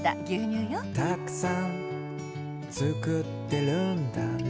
「たくさん作ってるんだね」